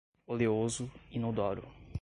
oleoso, inodoro